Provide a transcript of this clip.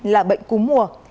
là bệnh cú mùa